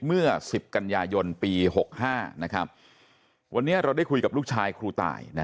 เมื่อ๑๐กันยายนปี๖๕วันนี้เราได้คุยกับลูกชายครูตาย